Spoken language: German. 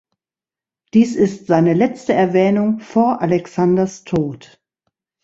Dies ist seine letzte Erwähnung vor Alexanders Tod.